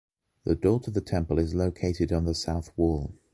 The door to the temple is located on the south wall.